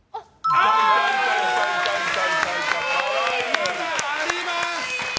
まだあります。